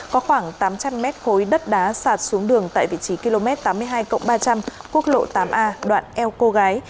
có khoảng tám trăm linh mét khối đất đá sạt xuống đường tại vị trí km tám mươi hai ba trăm linh quốc lộ tám a đoạn eo cô gái